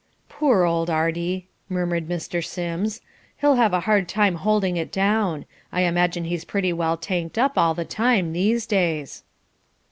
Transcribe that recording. "Poor old Artie," murmured Mr. Sims. "He'll have a hard time holding it down. I imagine he's pretty well tanked up all the time these days."